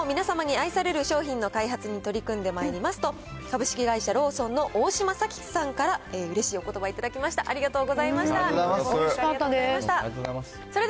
今後も皆様に愛される商品の開発に取り組んでまいりますと、株式会社ローソンの大嶋紗季さんからうれしいおことば、頂きましありがとうございます。